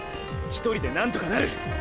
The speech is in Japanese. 一人でなんとかなる。